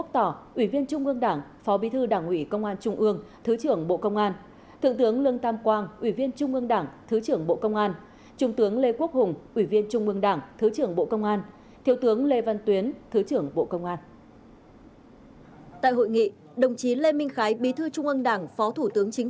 tại hội nghị đồng chí lê minh khái bí thư trung ương đảng phó thủ tướng chính